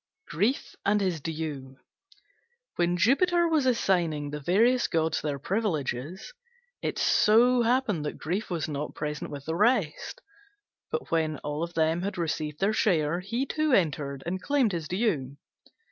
GRIEF AND HIS DUE When Jupiter was assigning the various gods their privileges, it so happened that Grief was not present with the rest: but when all had received their share, he too entered and claimed his due.